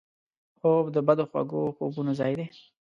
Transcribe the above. خوب د بدو خوږو خوبونو ځای دی